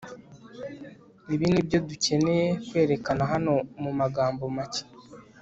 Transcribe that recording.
ibi nibyo dukeneye kwerekana hano mumagambo make